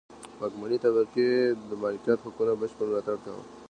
واکمنې طبقې د مالکیت حقونو بشپړ ملاتړ کاوه.